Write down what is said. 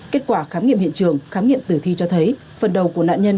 kết quả khám nghiệm hiện trường khám nghiệm tử thi cho thấy phần đầu của nạn nhân